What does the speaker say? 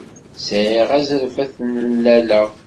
Sɛiɣ azref ad t-nnaleɣ?